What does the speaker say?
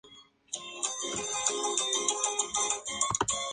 Sin embargo, esta eficiencia de almacenamiento puede venir a un precio.